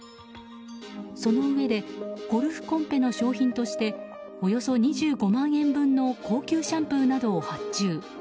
そのうえでゴルフコンペの商品としておよそ２５万円分の高級シャンプーなどを発注。